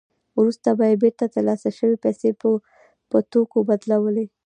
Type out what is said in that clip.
وروسته به یې بېرته ترلاسه شوې پیسې په توکو بدلولې